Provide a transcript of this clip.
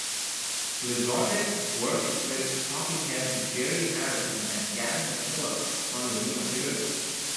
Lizotte worked with Talking Heads' Jerry Harrison and Gavin McKillop on the new material.